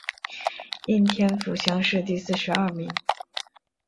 应天府乡试第四十二名。